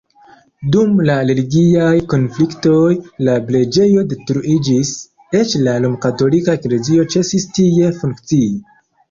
Dum la religiaj konfliktoj la preĝejo detruiĝis, eĉ la romkatolika eklezio ĉesis tie funkcii.